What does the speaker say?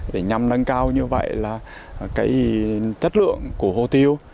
để nhằm nâng cao như vậy là cái chất lượng của hồ tiêu